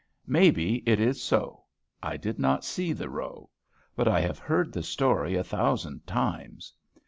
Maybe it is so. I did not see the row. But I have heard the story a thousand times.